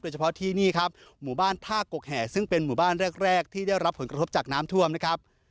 เฉพาะที่นี่ครับหมู่บ้านท่ากกแห่ซึ่งเป็นหมู่บ้านแรกแรกที่ได้รับผลกระทบจากน้ำท่วมนะครับ